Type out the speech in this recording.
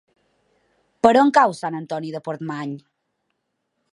Per on cau Sant Antoni de Portmany?